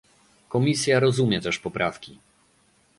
Komisja rozumie też poprawki